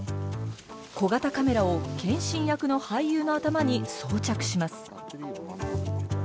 小型カメラを謙信役の俳優の頭に装着します。